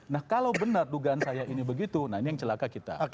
nah kalau benar dugaan saya ini begitu nah ini yang celaka kita